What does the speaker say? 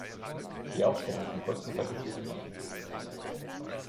Die Ausstellung kann kostenfrei besucht werden.